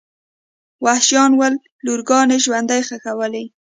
وحشیان ول لورګانې ژوندۍ ښخولې.